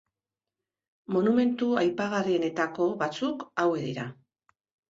Monumentu aipagarrienetako batzuk hauek dira.